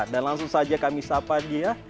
dan langsung saja kami siapkan dia